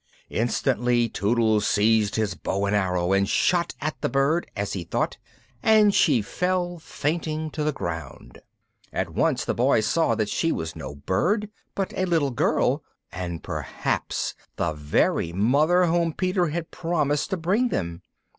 Instantly, Tootles seized his bow and arrow, and shot at the bird, as he thought, and she fell fainting to the ground. At once the Boys saw that she was no bird, but a little girl, and perhaps the very mother whom Peter had promised to bring them.